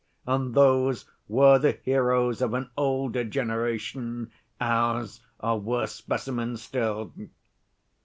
And those were the heroes of an older generation, ours are worse specimens still...."